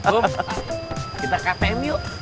bum kita ktm yuk